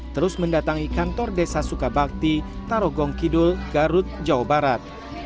terus mendatangi kantor desa sukabakti tarogong kidul garut jawa barat